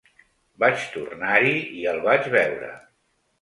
Vaig tornar-hi i el vaig veure